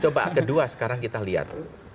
coba kedua sekarang kita lihat